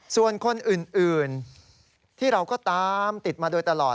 ส่วนคนอื่นที่เราก็ตามติดมาโดยตลอด